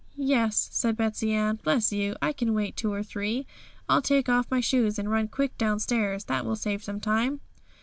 'Yes,' said Betsey Ann; 'bless you! I can wait two or three. I'll take off my shoes and run quick downstairs; that will save some time.'